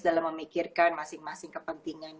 dalam memikirkan masing masing kepentingan